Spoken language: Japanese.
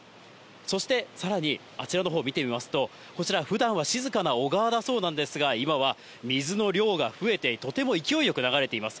そしてさらに、あちらのほう見てみますと、こちら、ふだんは静かな小川だそうなんですが、今は水の量が増えて、とても勢いよく流れています。